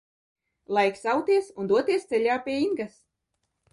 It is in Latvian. Laiks auties un doties ceļā pie Ingas!